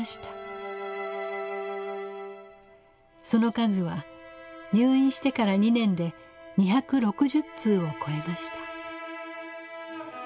その数は入院してから２年で２６０通を超えました。